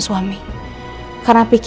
tepuk tangan saya